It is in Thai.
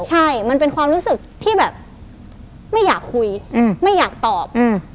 ใช่มันเป็นความรู้สึกที่แบบไม่อยากคุยไม่อยากตอบ